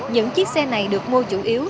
những chiếc xe này được mua chủ yếu